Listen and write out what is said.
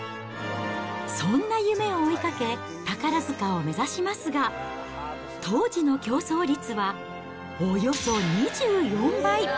そんな夢を追いかけ、宝塚を目指しますが、当時の競争率はおよそ２４倍。